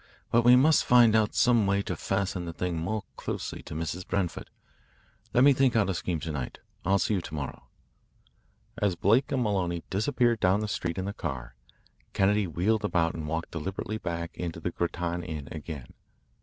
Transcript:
But we must find out some way to fasten the thing more closely on Mrs. Branford. Let me think out a scheme to night. I'll see you to morrow." As Blake and Maloney disappeared down the street in the car, Kennedy wheeled about and walked deliberately back into the Grattan Inn again.